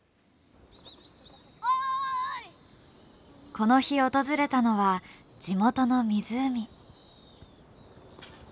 この日訪れたのは地元の湖。